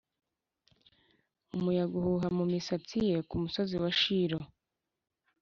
umuyaga uhuha mumisatsi ye kumusozi wa shiloh